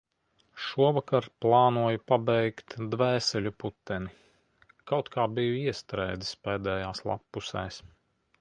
Šovakar plānoju pabeigt "Dvēseļu puteni". Kaut kā biju iestrēdzis pēdējās lappusēs.